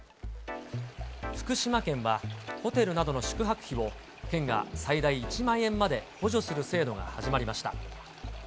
福島県はホテルなどの宿泊費を、県が最大１万円まで補助する制度が始まりました。